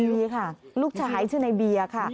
มีค่ะลูกชายชื่อในเบียร์ค่ะ